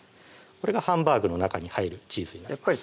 これがハンバーグの中に入るチーズになります